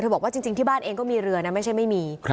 บอกว่าจริงที่บ้านเองก็มีเรือนะไม่ใช่ไม่มี